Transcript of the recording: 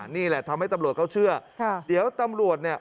นี่แหละทำให้ตำรวจเขาเชื่อค่ะเดี๋ยวตำรวจเนี่ย